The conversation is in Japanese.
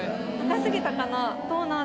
高すぎたかな？